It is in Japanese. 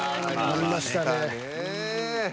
ありましたね。